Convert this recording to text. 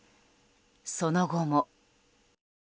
その後も。